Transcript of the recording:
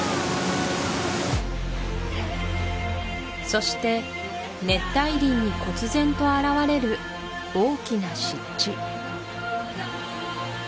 そして熱帯林にこつぜんと現れる大きな湿地